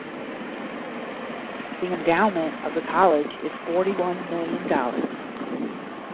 The endowment of the college is forty-one million dollars.